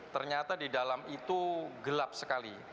ternyata di dalam itu gelap sekali